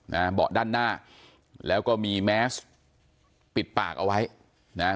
เบาะด้านหน้าแล้วก็มีแมสปิดปากเอาไว้นะฮะ